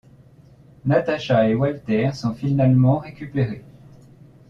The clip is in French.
Natacha et Walter sont finalement récupérés.